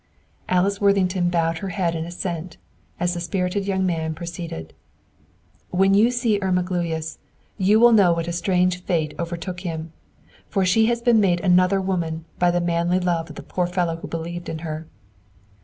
Alice Worthington bowed her head in assent, as the spirited young man proceeded. "When you see Irma Gluyas, you will know what a strange fate overtook him. For she has been made another woman by the manly love of the poor fellow who believed in her."